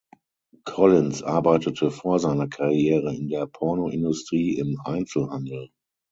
Collins arbeitete vor seiner Karriere in der Pornoindustrie im Einzelhandel.